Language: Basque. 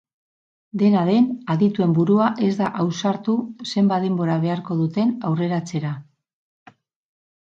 Dena den, adituen burua ez da ausartu zenbat denbora beharko duten aurreratzera.